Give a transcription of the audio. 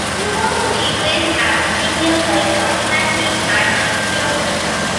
He was replaced as premier by Constantin Argetoianu.